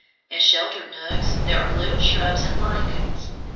In sheltered nooks there are little shrubs and lichens.